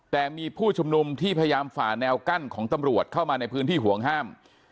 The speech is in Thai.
แต่มีผู้ชุมนุมที่พยายามฝ่าแนวกั้นของตำรวจเข้ามาในพื้นที่ห่วงห้าม